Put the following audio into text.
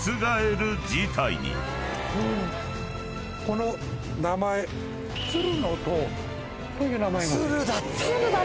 この名前鶴の塔という名前が付いてる。